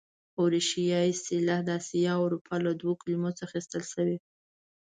اوریشیا اصطلاح د اسیا او اروپا له دوو کلمو څخه اخیستل شوې.